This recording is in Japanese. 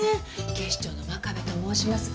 警視庁の真壁と申します。